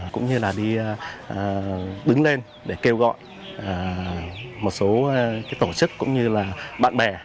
cũng như là đi đứng lên để kêu gọi một số tổ chức cũng như là bạn bè